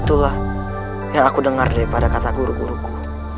itulah yang aku dengar daripada kata guru guruku